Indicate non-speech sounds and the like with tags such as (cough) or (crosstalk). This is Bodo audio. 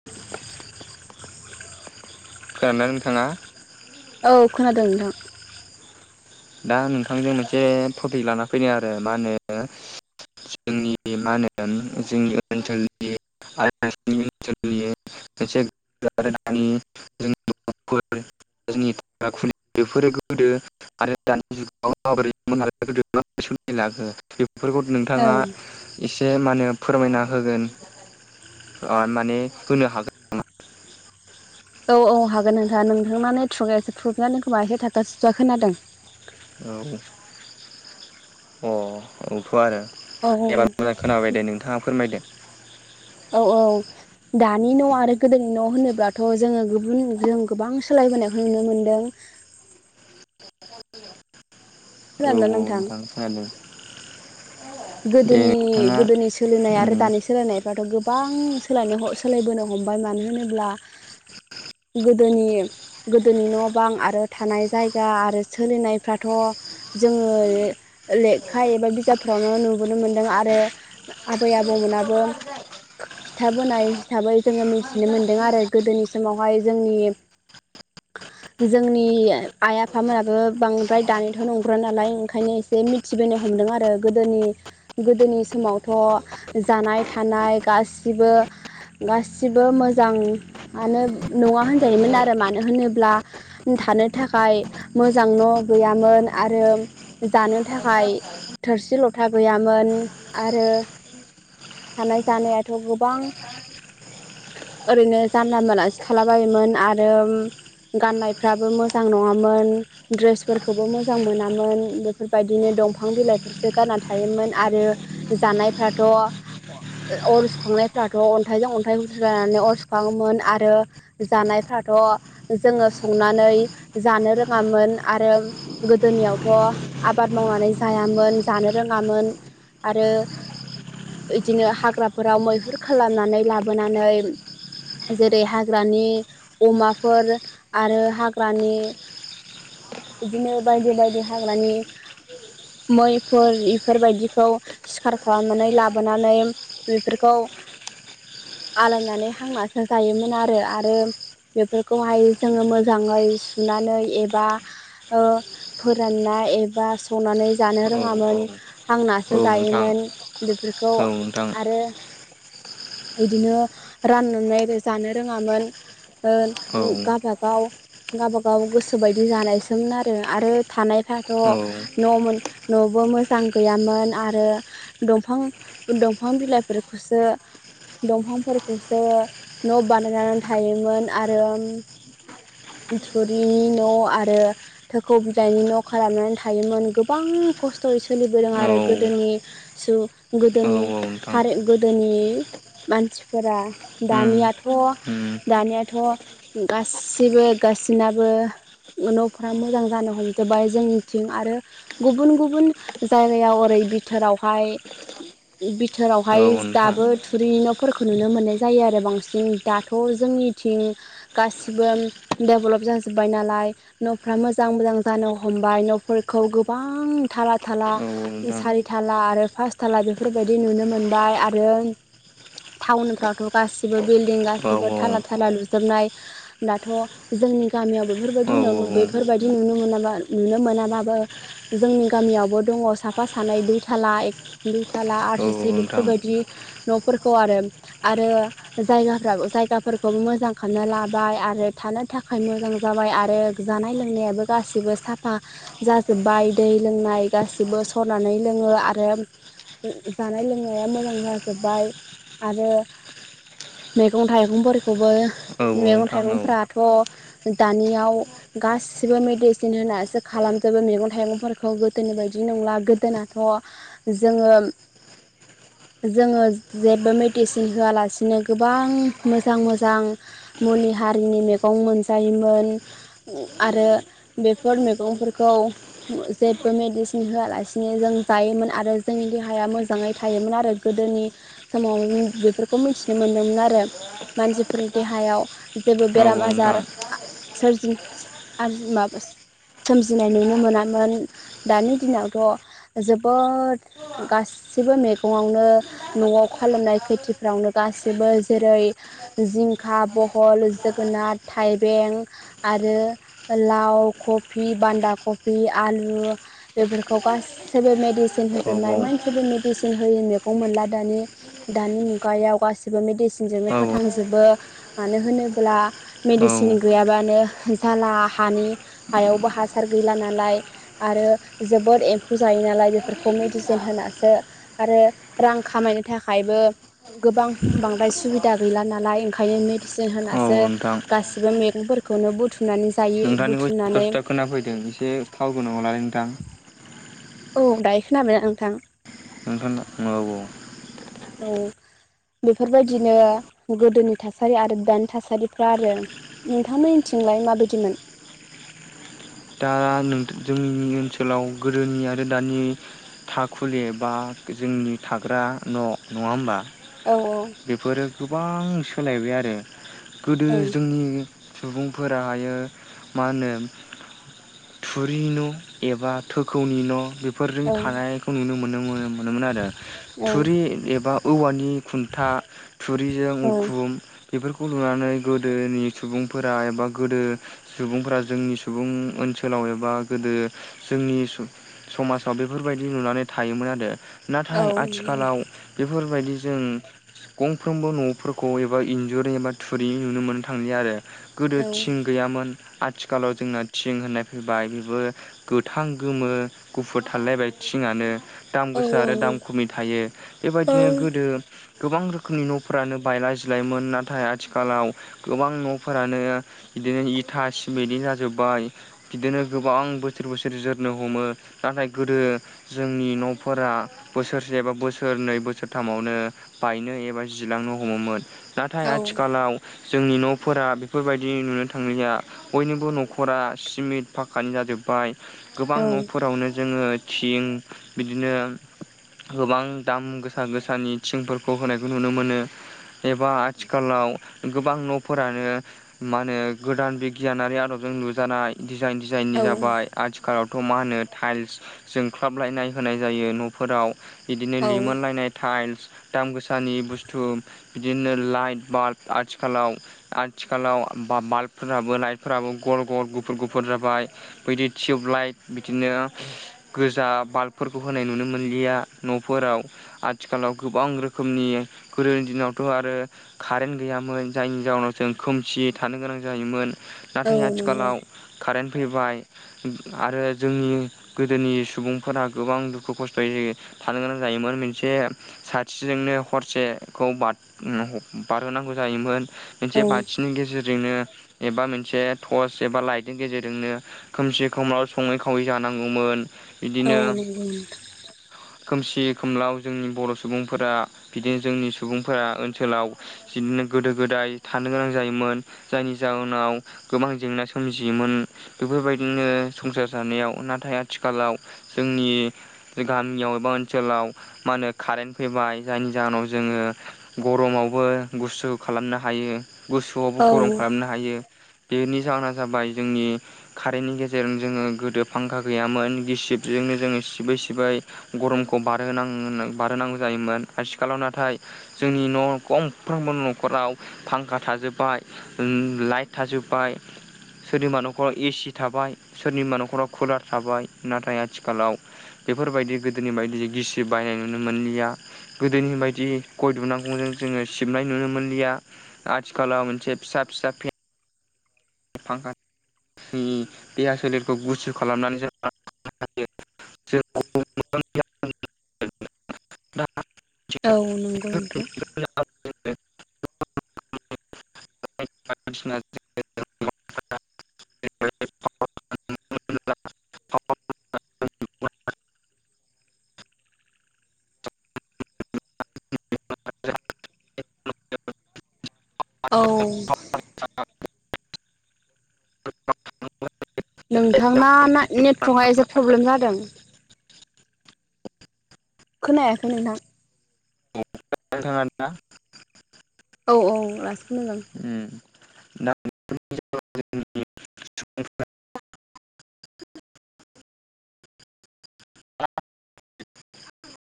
(inaudible) खोनादोंना नोंथाङा? औ खोनादों नोंथां। दा नोंथांजों मोनसे टपिक लाना फैदों आरो मा होनो जोंनि मा होनो जोंनि ओनसोलनि आयो (unintelligible) (unintelligible) जोंनि थाग्राखुलि बेफोरो गोदो आरो दानि जुगाव (unintelligible) बेफोरखौ नोंथाङा औ एसे मा होनो फोरमायना होगोन ओ माने होनो हागोन नामा औ औ हागोन नोंथाङा नोंथांनानो नेटर्क गैया खोमा एसे थाबथा थुबथा खोनादों। औ अ औथ' आरो। औ एबार मोजां खोनाबाय दे नोंथाङा फोरमायदो। औ औ। दानि न' आरो गोदोनि न' होनोब्लाथ' जोङो गुबुन जों गोबां सोलायबोनायखौ नुनो मोनदों। (unintelligible) औ औ नोंथां खोनादों। दे नोंथाङा गोदोनि-गोदोनि सोलिनाय उम आरो दानि सोलायनाय दाथ' गोबां सोलायनो ह सोलायबोनो हमबाय मानो होनोब्ला गोदोनि गोदोनि न'- बां आरो थानाय जायगा आरो सोलिनायफ्राथ' जोङो लेखा एबा बिजाबफोरावनो नो नुुबोनो मोन्दों आरो आबै-आबौमोनाबो खिथाबोनाय हिसाबै जोङो मिथिनो मोनदों आरो गोदोनि समावहाय जोंनि (inaudible) जोंनि आइ-आफामोनाबो बांद्राय दानिथ' नंद्राय नालाय ओंखायनो जे मिथिबोनो हमदों आरो। गोदोनि-गोदोनि समावथ' जानाय थानाय गासिबो गासिबो मोजाङानो नङा होनजायोमोन आरो मानो होनोब्ला थानो थाखाय मोजां न' गैयामोन आरो जानो थाखाय थोरसि-लथा गैयामोन आरो थानाय-जानायाथ' गोबां ओरैनो जानला- मोनलासो थालाबायोमोन आरो गाननायफ्राबो मोजां नङामोन। द्रेसफोरखौबो मोजां मोनामोन बेफोर बायदिनो दंफां बिलाइ फोरसो गानना थायोमोन आरो जानायफ्राथ' ओ अर सुखांनायफ्राथ' अन्थाइजों अन्थाइ सुरायनानै अर सुखाङोमोन आरो जानायफ्राथ' जोङो संनानै जानो रोङामोन आरो गोदोनियावथ' आबाद मावनानै जायामो मोन जानो रोङामोन आरो इदिनो हाग्राफोराव मैहुर खालामनानै लाबोनानै जेरै हाग्रानि अमाफोर आरो हाग्रानि बिदिनो बायदि बायदि हाग्रानि मैफोर इफोर बायदिखौ सिखार खालामनानै लाबोनानै बेफोरखौ आलायनानै हांनासो जायोमोन आरो आरो बेफोरखौहाय जोङो मोजाङै सुनानै एबा ओ फोरानना एबा सनानै जानो औ औ रोङामोन औ हांनासो नोंथां जायोमोन बेफोरखौ औ नोंथां आरो (unintelligible) बिदिनो राननानै आरो जानो रोङामोन औ गाबा गाव गाबागाव गोसो बायदि जानायसोमोन आरो आरो थानायफाथ' औ न'मोन न'बो मोजां गैयामोन आरो दंफां दंफां बिलाइफोरखौसो दंफांफोरखौसो न' बानायनानै थायोमोन आरो थुरिनि न' आरो थोखौ बिदाइनि न' खालामनानै थायोमोन गोबां खस्थ'यै सोलिबोदों आरो औ गोदोनि सु गोदोनि औ नोंथां हारि गोदोनि मानसिफोरा उम दानियाथ' उम दानियाथ' गाससिबो गाससिनाबो न'फोरा मोजां जानो हमजोबबाय जोंनिथिं आरो गुबुन गुबुन जायगायाव ओरै बिथोरावहाय बि औ थोरावहाय नोंथां दाबो थुरि न'फोरखौ नुनो मोननाय जायो आरो बांसिन दाथ' जोंनिथिं गासिबो डेभलप जाजोब्बाय नालाय न'फ्रा मोजां मोजां जानो हमबाय न'फोरखौ गो बां थाला थाला औ नोंथां सारि थाला आरो पास थाला बेफोरबायदि नुनो मोनबाय आरो टाउनफ्रावथ' गासिबो बिल्डिं औ औ गासिबो थाला थाला लुजोबनाय दाथ' जोंनि गामियाव औ बेफोरबायदि नोंथां औ न बेफोरबायदि नुनो मोनाबा नुनो मोनाबाबो जोंनि गामियावबो दङ साफा सानै दुइ थाला एक दुइ थाला आर सि सि नोंथां बेफोरबायदि न'फोरखौ आरो आरो जायगाफ्राबो जायगाफोरखौबो मोजां खालामनो लाबाय आरो थानो थाखाय मोजां जाबाय आरो जानाय लोंनायाबो गासिबो साफा जाजोब्बाय दै लोंनाय गासिबो सरनानै लोङो आरो जानाय लोंनाया मोजां जाजोबबाय आरो मेगं थाइगंफोरखौबो औ औ मेगं नोंथां औ थाइगंफोरा थ' दानियाव गासिबो मेडिसिन होनासो खालामजोबो मैगं थाइगंफोर खौ गोदोनि बायदि नंला गोदोनाथ' जोङो (inaudible) जोङो जेबो मेडिसिन होआलासिनो गोबां मोजां मोजां मुलि हारिनि मेगं मोनजायोमोन आरो बेफोर मेगंफोरखौ मो जेबो मेडिसिन होआलासिनो जों जायोमोन आरो जोंनि देहाया मोजाङै थायोमोन आरो गोदोनि समाव बेफोरखौ मिथिनो मोन्दोंमोन आरो मानसिफोरनि देहायाव औ जेबो बेराम आजार औ आर सोर आर माबा सोमजिनाय नुनो मोनामोन दानि दिनावथ' जोबोद गाससिबो मैगङावनो न'आव खालामनाय खेथिफ्रावनो गाससिबो जेरै जिंखा बहल जोगोनाद थाइबें आरो लाव कफि बान्दा कफि आलु बेफोरखौ गासैबो मेदिसिन होजोबनाय मोन सेबो मेडिसिन होयै मेगं मोनला दानि दानि मुगायाव गासिबो मेडिसिनजोंनो फोथां जोबो मानो होनोब्ला मेडिसिन गैयाबानो जाला हानि हायावबो हासार गैला नालाय आरो जोबोद एम्फौ जायो नालाय बेफोरखौ मेडिसिन होनासो आरो रां खामायनो थाखायबो गोबां बांद्राय सुबिदा गैला नालाय ओंखायनो मेडिसिन होनासो नोंथां गासिबो मैगंफोरखौनो बुथुमनानै जायो नोंथांनिखौ बुथुमनानै (unintelligible) खोनाफैदों एसे टावार गोनाङाव लालाय नोंथां औ दायो खोनाबाय ना नोंथां नोंथांना औ औ औ बेफोरबायदिनो गोदोनि थासारि आरो दानि थासारिफ्रा आरो नोंथांमोनिथिंलाय माबायदिमोन दा नों जोंनि ओनसोलाव गोदोनि आरो दानि थाखुलि बा जोंनि थाग्रा न' नङा होनबा औ औ बेफोरो गोबां सोलायबाय आरो गोदो औ जोंनि सुबुंफोराहायो मा होनो थुरिनि न' एबा थोखौनि न' बे फोरजों औ थानायखौ नुनो मोन मोनोमोन आरो थुरि औ एबा औवानि खुन्था थुरिजों उखुम बेफोरखौ लुनानै गोदोनि सुबुंफोरा एबा गोदो सुबुंफोरा जोंनि सुबुं ओनसोलाव एबा गोदो जोंनि समाजाव बेफोरबायदि लुनानै थायोमोन आरो औ नाथाय औ आथिखालाव बेफोरबायदिजों गंफ्रोमबो न'फोरखौ एबा इन्जुरि एबा थुरिनि नुनो मोननो थांलिया आरो गोदो औ थिं गैयामोन आथिखालाव जोंना थिं होननाय फैबाय बेबो गोथां गोमो गुफुद थालायलायबाय थिंआनो दाम औ गोसा आरो दाम खमि थायो बेबायदिनो गोदो गोबां रोखोमनि न'फोरानो बायला जिलामोन नाथाय आथिखालाव गोबां न'फोरानो बिदिनो इथा चिमेटनि जाजोबबाय बिदिनो गोबां बोसोर बोसोर जोरनो हमो नाथाय गोदो जोंनि न'फोरा बोसोरसे एबा बोसोरनै बोसोरथामावनो बायनो एबा जिलांनो हमोमोन नाथाय औ आथिखालाव जोंनि न'फोरा बेफोरबायदि नुनो थांलिया बयनिबो नखरा सिमिट फाखकानि जाजोबबाय गोबां न'फोरावनो जोङो थिं बिदिनो गोबां दाम गोसा गोसानि थिंफोरखौ होनायखौ नुनो मोनो एबा आथिखालाव गोबां न'फोरानो मा होनो गोदान बिगियानारि आदबजों लुजानाय डिजाइन डिजाइननि औ जाबाय आथिखालावथ' मा होनो टाइल्स जोंख्लाबलायनाय होनाय जायो न'फोराव बिदिनो औ लिमोनलायनाय टाइल्स दाम गोसानि बुस्थु बिदिनो लाइट बाल्ब आथिखालाव आथिखालाव बाल्बफोराबो लाइटफोराबो गल गल गु फुर गुफुर जाबाय बैदि टिवब लाइट बिदिनो गोजा बाल्बफोरखौ होनाय नुनो मोनलिया न'फोराव आथिखालाव गोबां रोखोमनि गोदोनि दिनावथ' आरो कारेन गैयामोन जायनि जाउनाव जों खोमसियै थानो गोनां जायोमोन नंगौ औ नाथाय नंगौ आथिखालाव कारेन फैबाय आरो जोंनि गोदोनि सुबुंफोरा गोबां दुखु खस्थ'यै थानो गोनां जायोमोन मेनसे साथिजोंनो हरसेखौ बाद हो बारहोनांगौ जायोमोन मोनसे बाथिनि गेजेरजोंनो एबा मोनसे टच एबा लाइट नि गेजेरजोंनो खोमसि खोमलाव सङै खावै जानांगौमोन। बिदिनो खोमसि खोमलाव जोंनि बर' सुबुंफोरा बिदिनो जोंनि सुबुंफोरा ओनसोलाव बिदिनो गोदो गोदाय थानो गोनां जायोमोन जायनि जाहोनाव गोबां जेंना सोम जियोमोन बेफोरबायदिनो संसार जानायाव नाथाय आथिखालाव जोंनि गामियाव एबा ओनसोलाव मा होनो कारेन फैबाय जायनि जाहोनाव जोङो गरमावबो गुसु खालामनो हायो। गुसोआवबो औ गरम खालामनो हायो बेनि जाहोना जाबाय जोंनि कारेननि गेजेरजों जोङो गोदो फांखा गैयामोन गिसिबजोंनो जोङो सिबै सिबै गरमखौ बारहोनांनो बारहोनांगौ जायोमोन आथिखालाव नाथाय जोंनि न' गंफ्रोमबो नखराव फांखा थाजोबबाय उम लाइट थाजोबबाय सोरनिबा नखराव ए सि थाबाय सोरनिबा नखराव कुलार थाबाय नाथाय आथिखालाव बेफोरबायदि गोदोनि बायदि गिसिब बाहायनाय नुनो मोनलिया गोदोनि बायदि गय दुनाखौनो जोङो सिबनाय नुनो मोनलिया आथिखालाव मोनसे फिसा फिसा फे फांखानि देहा सोलेरखौ गुसु खालामनानै जायो (unintelligible) (unintelligible) औ नंगौ नोंथां जों (unintelligible) (unintelligible) औ (unintelligible) (unintelligible) नोंथांना ना नेटवर्कआ एसे प्रब्लेम जादों (unintelligible) खोनायाखै नोंथां नोंथां (unintelligible) आरोना औ औ दासो खोनादों उम (unintelligible)